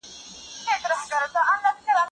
هغه په پوهنتون کي د نويو څېړنو په اړه خبر ورکړ.